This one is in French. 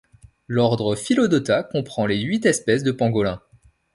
L'ordre Philodota comprend les huit espèces de pangolins.